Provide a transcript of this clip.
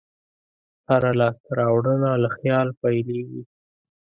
هره لاسته راوړنه له خیال پیلېږي.